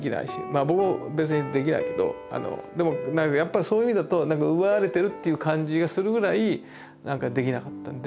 あ僕も別にできないけどでもなんかやっぱそういう意味だと奪われてるっていう感じがするぐらいできなかったんで。